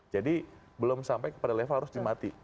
jadi belum sampai pada level harus dimati